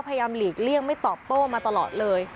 หลีกเลี่ยงไม่ตอบโต้มาตลอดเลย